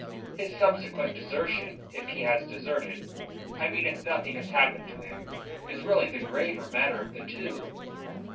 His subsequent desertion, if he has deserted I mean if nothing has happened to him is really the graver matter of the two."